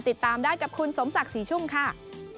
ติดตามได้กับคุณสมศักดิ์ศรีชุ่มค่ะ